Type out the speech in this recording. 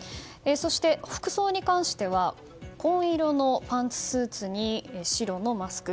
そして、服装に関しては紺色のパンツスーツに白のマスク。